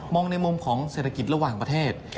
ในมุมของเศรษฐกิจระหว่างประเทศ